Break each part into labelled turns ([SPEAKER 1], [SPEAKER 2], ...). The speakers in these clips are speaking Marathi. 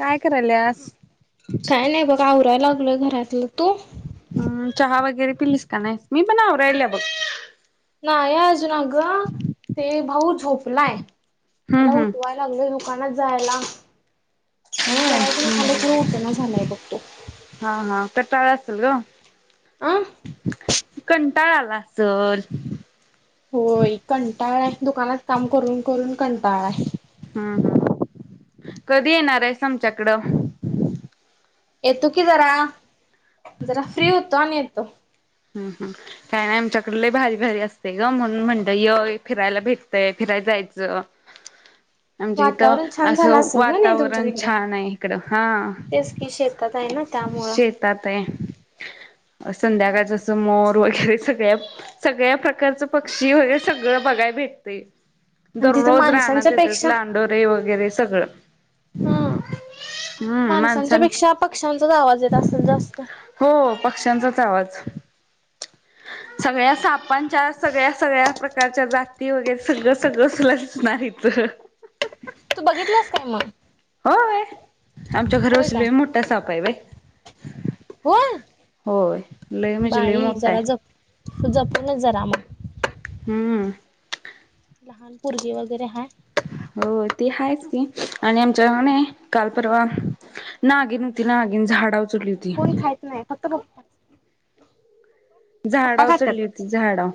[SPEAKER 1] काय करायलस
[SPEAKER 2] काय नाही बघा आवरायला लागल घरातलं तू
[SPEAKER 1] अम चहा वगैरे पिलीस का नाही मी पण आववरराहिल बघ
[SPEAKER 2] नाही अजून ग ते भाऊ झोपलाय
[SPEAKER 1] हम्म
[SPEAKER 2] त्याला
[SPEAKER 1] हम्म.
[SPEAKER 2] उठवा ला दुकानात जायला चहा करायचं मगला खर उतना झालाय बघतो
[SPEAKER 1] हा हा कटाळा असेल ग
[SPEAKER 2] आ
[SPEAKER 1] कंटाळा आला तर
[SPEAKER 2] होय कंटाळा आहे दुकानात काम करून करून कंटाळा आहे
[SPEAKER 1] हम् हम कधी येणार रेशम चकड
[SPEAKER 2] येतो की जरा जरा फ्री होतो आणि येतो
[SPEAKER 1] हम् हम् काय नाही आमच्याकडले भारी भारी असते ग म्हणून म्हणत य फिरायला भेटतय फिरायला जायचं [unintelligible] म्हणजे इथ
[SPEAKER 2] वातावरण छान झालं
[SPEAKER 1] असं
[SPEAKER 2] असेल ग नाही तुमच्या
[SPEAKER 1] वातावरण
[SPEAKER 2] तिकडं
[SPEAKER 1] छान आहे इकडं हा
[SPEAKER 2] ात आहे ना त्यामुळं
[SPEAKER 1] शेतात संध्याकाळच असं मोर वगैरे सगळ्या सगळ्या प्रकारचं पक्षी वगैरे सगळं बघाय भेटते
[SPEAKER 2] आणि तिथं
[SPEAKER 1] दररोज राहण्यात
[SPEAKER 2] माणसांच्या
[SPEAKER 1] येते
[SPEAKER 2] पेक्षा
[SPEAKER 1] लांडोरे वगैरे सगळं
[SPEAKER 2] हा आणि
[SPEAKER 1] हम्म
[SPEAKER 2] माणसांच्या
[SPEAKER 1] माणसां
[SPEAKER 2] पेक्षा पक्ष्यांचाच आवाज येत असेल जास्त
[SPEAKER 1] हो पक्ष्यांचाच आवाज हा सगळ्या सापांच्या सगळ्या सगळ्या प्रकारच्या जाती वगैरे सगळं सगळं सुल असणार इथ
[SPEAKER 2] तू बघितलंस काय मग
[SPEAKER 1] हो आमच्या घर
[SPEAKER 2] होय
[SPEAKER 1] बसलो
[SPEAKER 2] काय
[SPEAKER 1] आहे मोठा सपा आहे बाय
[SPEAKER 2] बण
[SPEAKER 1] होय लई म्हणजे लय मोठा आहे
[SPEAKER 2] फुजपूण जरा आमत
[SPEAKER 1] हम्म
[SPEAKER 2] लहान परग वगैरे हा
[SPEAKER 1] हो तेी आहेच की आणि आमच्याने काल परवा नागे नव्हती नागेन झाडा
[SPEAKER 2] आमचा कोण खायच नाही फक्त बघत पप्पा
[SPEAKER 1] झाडा चढली
[SPEAKER 2] खातात
[SPEAKER 1] होती झाडा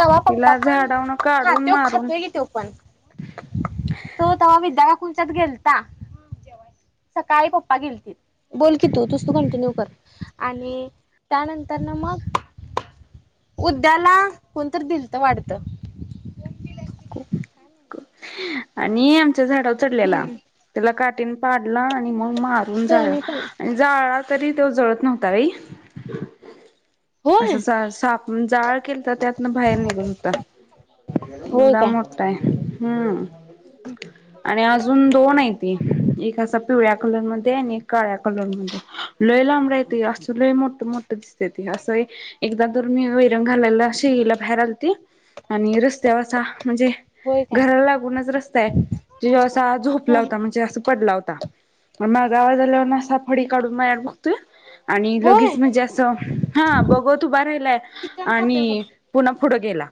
[SPEAKER 2] तवा पप्पा पण
[SPEAKER 1] झाडावरन
[SPEAKER 2] हा
[SPEAKER 1] काढून
[SPEAKER 2] तो
[SPEAKER 1] मारून
[SPEAKER 2] खातोय की तो पण तो तेव्हा विद्या खुलच्यात गेलता सकाळी पप्पा गेलतील बोल की तू तूस तू कंटिन्यू कर आणि त्यानंतर ना मग उद्याला कोणत दिल तर वाढतं
[SPEAKER 1] आणि आमच झाड उचडलेला
[SPEAKER 2] हम्म
[SPEAKER 1] त्याला काटन पाडला आणि मग मारून जाला
[SPEAKER 2] दोन्ही पण
[SPEAKER 1] आणि जाळा तरी तो जळत नव्हता रई
[SPEAKER 2] होय
[SPEAKER 1] असं साप जाळ केलं तर त्यातनं बाहेर निघल होता एवढा मोठा काय हम्म
[SPEAKER 2] हम
[SPEAKER 1] आणि अजून दोन आहे त एक असा पिवळ्या कलरमध्येध्ये आणि एक काळ्या कलर मध्ये लोय लांब रा येत असं लोय मोठं मोठं दिसत त असं आहे एकदा दोर मी वैरंग घालायला शेला बाहेर आलती आणि रस्त्यावर असा म्हणजे
[SPEAKER 2] होय काय
[SPEAKER 1] घराला लागूनच रस्ताय त जा झोप ला
[SPEAKER 2] हा
[SPEAKER 1] होता म्हणजे अस पडला होता मग मग गावात झाल्यावर नासा फडी काढून मायार बघतोय आणि लगेच
[SPEAKER 2] होय
[SPEAKER 1] म्हणजे असं हा बघत उभा राहिलाय
[SPEAKER 2] चिकन
[SPEAKER 1] आणि
[SPEAKER 2] खातोय फक्त
[SPEAKER 1] पुन्हा पुढं गेला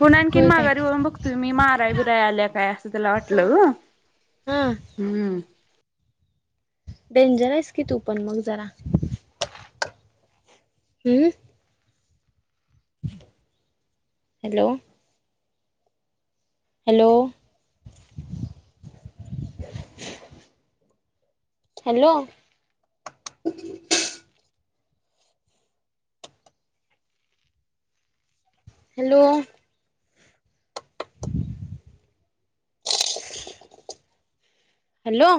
[SPEAKER 1] पण आणखीन
[SPEAKER 2] होय काय
[SPEAKER 1] माघारी होन बघतोय मी माराय बिराय आल्या काय असं तला
[SPEAKER 2] हा
[SPEAKER 1] वाटलं ग
[SPEAKER 2] हा
[SPEAKER 1] हम्म
[SPEAKER 2] डेंजर आहेस कि तू पण मग जरा हम्म hello hello hello hello hello